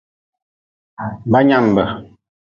Banyanbe.